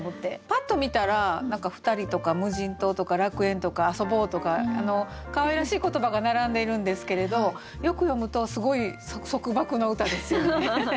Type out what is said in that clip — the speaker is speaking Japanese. パッと見たら何か「二人」とか「無人島」とか「楽園」とか「遊ぼう」とかかわいらしい言葉が並んでいるんですけれどよく読むとすごい束縛の歌ですよね。